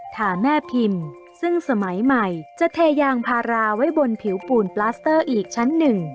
ทาแม่พิมพ์ซึ่งสมัยใหม่จะเทยางพาราไว้บนผิวปูนปลาสเตอร์อีกชั้นหนึ่ง